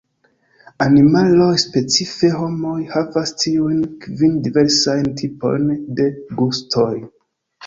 Animaloj, specife homoj, havas tiujn kvin diversajn tipojn de gustoj.